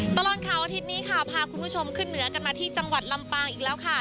ตลอดข่าวอาทิตย์นี้ค่ะพาคุณผู้ชมขึ้นเหนือกันมาที่จังหวัดลำปางอีกแล้วค่ะ